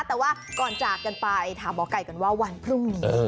แต่ว่าก่อนจากกันไปถามหมอไก่กันว่าวันพรุ่งนี้